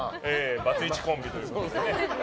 バツイチコンビということで。